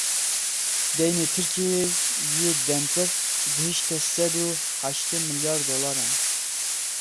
Deynê Tirkiyeyê yê dem kurt gihişte sed û heştê milyar dolaran.